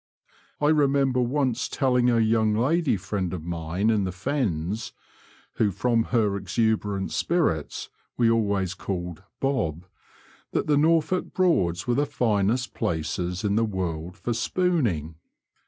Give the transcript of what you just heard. I remember once telling a young lady friend of mine in the Fens, who from her exuberant spirits we always called *'Bob/' that the Norfolk Broads were the finest places in the world for *' spooning."